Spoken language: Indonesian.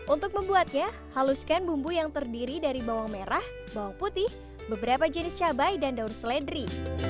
untuk membuatnya haluskan bumbu yang terdiri dari bawang merah bawang putih beberapa jenis cabai dan daun seledri